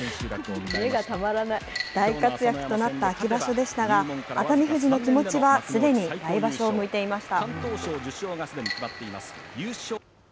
大活躍となった秋場所でしたが、熱海富士の気持ちはすでに来場所を向いていました。